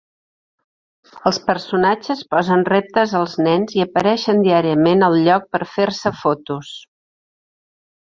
Els personatges posen reptes als nens i apareixen diàriament al lloc per fer-se fotos.